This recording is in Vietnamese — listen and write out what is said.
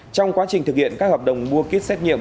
trong quá trình thực hiện các hợp đồng mua ký kết xét nghiệm